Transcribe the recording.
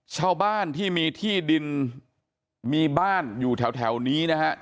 ชาวบ้านที่มีที่ดินมีบ้านอยู่แถวนี้นะครับ